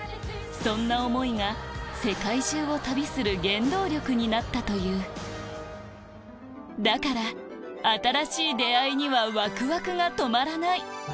そんな思いが世界中を旅する原動力になったというだから新しい出合いにはわくわくが止まらない！